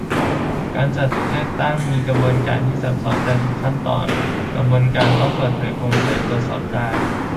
การจัดการเลือกตั้งมีกระบวนการที่ซับซ้อน แต่ทุกขั้นตอนกระบวนการต้องเปิดเผย โปร่งใสตรวจสอบได้